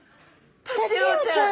タチウオちゃん！